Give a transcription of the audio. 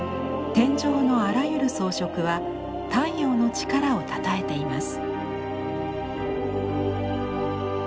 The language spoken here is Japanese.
天井のあらゆる装飾は太陽の力をたたえています。